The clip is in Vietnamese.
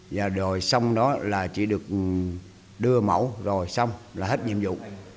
và rồi xong đó là chỉ được đưa mẫu rồi xong là hết nhiệm vụ